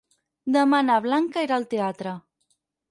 Demà na Blanca irà al teatre.